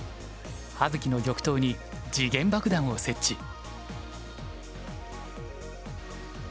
葉月の玉頭に時限爆弾を設置。